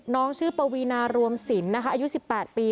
น้องชื่อปวีนารวมสินนะคะอายุ๑๘ปี